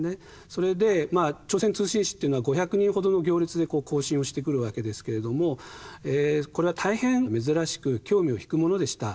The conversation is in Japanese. それで朝鮮通信使っていうのは５００人ほどの行列で行進をしてくるわけですけれどもこれは大変珍しく興味を引くものでした。